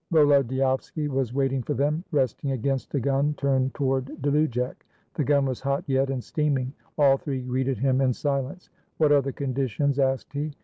Volodyovski was waiting for them, resting against a gun turned toward Dlujek. The gun was hot yet, and steaming. All three greeted him in silence. "What are the conditions?" asked he.